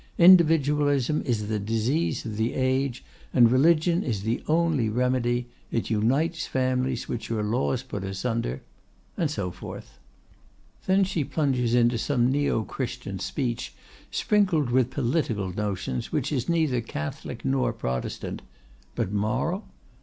Individualism is the disease of the age, and religion is the only remedy; it unites families which your laws put asunder,' and so forth. Then she plunges into some neo Christian speech sprinkled with political notions which is neither Catholic nor Protestant—but moral?